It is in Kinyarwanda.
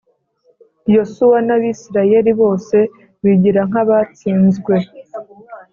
Yosuwa n Abisirayeli bose bigira nk abatsinzwe